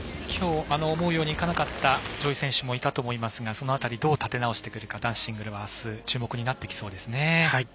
思うようにいかなかった上位選手もいたと思いますがその辺りどう立て直してくるか男子シングルは明日注目になってきそうですね。